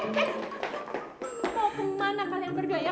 mau ke mana kalian berdua ya